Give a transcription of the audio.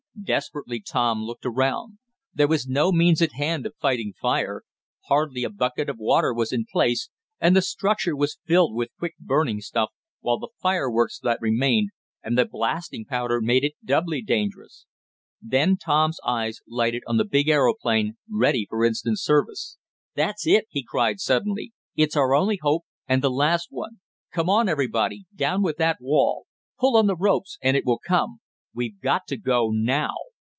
Desperately Tom looked around. There was no means at hand of fighting fire. Hardly a bucket of water was in the place, and the structure was filled with quick burning stuff, while the fireworks that remained, and the blasting powder, made it doubly dangerous. Then Tom's eyes lighted on the big aeroplane, ready for instant service. "That's it!" he cried suddenly. "It's our only hope, and the last one! Come on, everybody! Down with that wall! Pull on the ropes and it will come! We've got to go now.